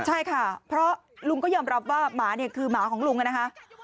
ใช่ค่ะเพราะลุงก็ยอมรับว่าหมาเนี่ยคือหมาของลุงนะคะ